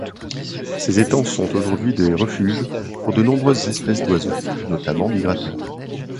Ces étangs sont aujourd'hui des refuges pour de nombreuses espèces d'oiseaux, notamment migrateurs.